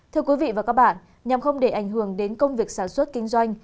thưa quý vị và các bạn nhằm không để ảnh hưởng đến công việc sản xuất kinh doanh